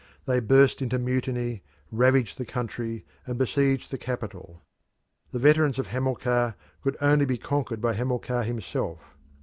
They burst into mutiny, ravaged the country, and besieged the capital. The veterans of Hamilcar could only be conquered by Hamilcar himself.